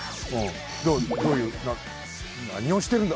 どういうなにをしてるんだ。